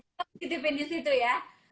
tidak boleh dipindahkan ke situ ya